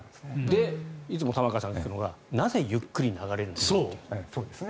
で、いつも玉川さんが言っているのがなぜゆっくり流れるんですかと。